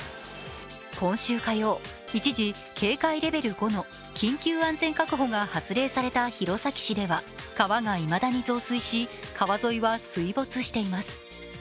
今週火曜、一時、警戒レベル５の緊急安全確保が発令された弘前市では川がいまだに増水し、川沿いは、水没しています。